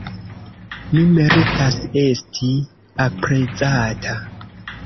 Mi meritas esti aprezata.